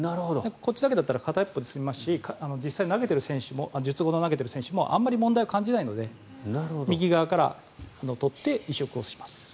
こっちだけなら片方で済みますし投げている選手もあまり問題を感じないので右から取って移植します。